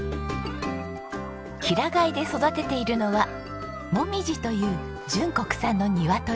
平飼いで育てているのは「もみじ」という純国産の鶏。